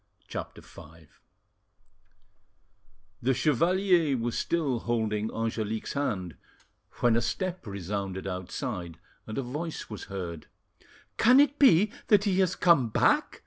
CHAPTER V The chevalier was still holding Angelique's hand when a step resounded outside, and a voice was heard. "Can it be that he has come back?"